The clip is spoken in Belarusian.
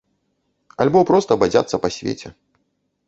Альбо проста бадзяцца па свеце.